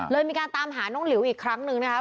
เลยมีการตามหาน้องหลิวล่ะคราวตรงเนาะ